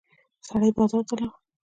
سړی بازار ته لاړ.